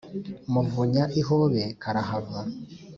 Muvunya ihobe karahava,